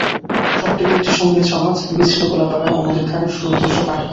শহরটিতে একটি সঙ্গীত সমাজ, বিস্তৃত গোলাপ বাগান ও নদীর ধারের সুদৃশ্য পার্ক আছে।